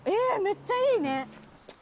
めっちゃいいね。